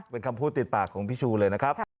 เป็นคำพูดติดปากของพี่ชูเลยนะครับ